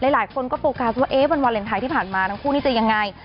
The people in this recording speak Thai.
หลายคนก็โฟกัสว่าวันวาเลนไทยที่ผ่านมาทั้งคู่นี้จะยังไง